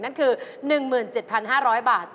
นั่นคือ๑๗๕๐๐บาท